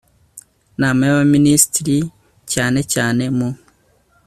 nam a y Abaminisitiri cyane cyane mu